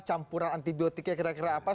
campuran antibiotiknya kira kira apa